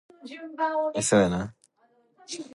Reid supported embryonic stem cell research.